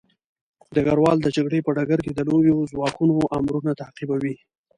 ډګروال د جګړې په ډګر کې د لويو ځواکونو امرونه تعقیبوي.